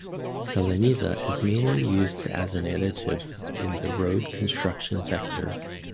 Selenizza is mainly used as an additive in the road construction sector.